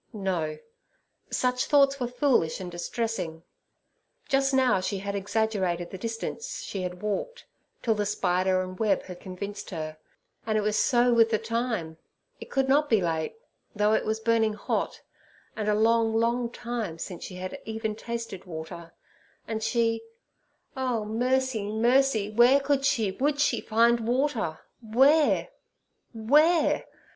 No; such thoughts were foolish and distressing. Just now she had exaggerated the distance she had walked, till the spider and web had convinced her, and it was so with the time. It could not be late, though it was burning hot, and a long, long time since she had even tasted water; and she—Oh, mercy! mercy! where could she, would she find water! Where? Where?